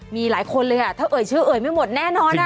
มีหลายคนเลยอ่ะถ้าเอ่ยชื่อเอ่ยไม่หมดแน่นอน